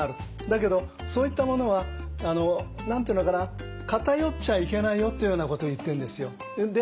だけどそういったものは偏っちゃいけないよっていうようなことを言ってるんですよ。